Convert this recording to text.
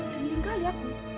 berlindung kali ya